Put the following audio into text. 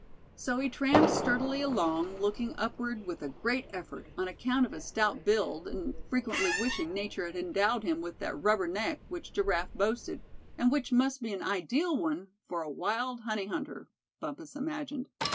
So he tramped sturdily along, looking upward with a great effort, on account of his stout build, and frequently wishing Nature had endowed him with that "rubber neck" which Giraffe boasted, and which must be an ideal one for a wild honey hunter, Bumpus imagined.